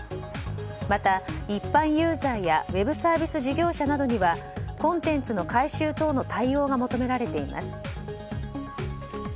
また、一般ユーザーやウェブサービス事業者などにはコンテンツの改修等の対応が求められています。